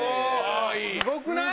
すごくない？